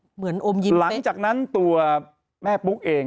เหมือนโอมยินเฟสหลังจากนั้นตัวแม่ปุ๊กเอง